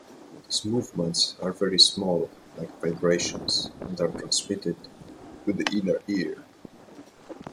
These movements are very small, like vibrations and are transmitted to the inner ear.